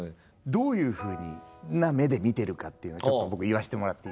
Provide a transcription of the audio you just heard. どういうふうな目で見てるかっていうのをちょっと僕言わせてもらっていい？